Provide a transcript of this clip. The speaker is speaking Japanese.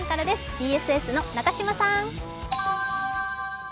ＢＳＳの中島さん。